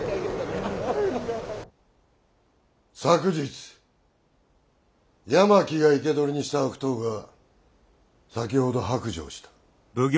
昨日八巻が生け捕りにした悪党が先ほど白状した。